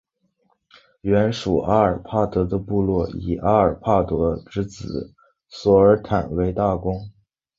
原属阿尔帕德的部落以阿尔帕德之子索尔坦为大公。